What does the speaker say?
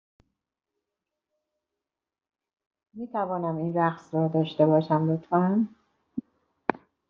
می توانم این رقص را داشته باشم، لطفا؟